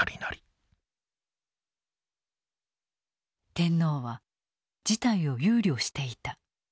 天皇は事態を憂慮していた。